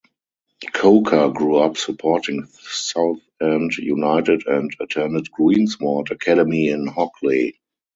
Coker grew up supporting Southend United and attended Greensward Academy in Hockley.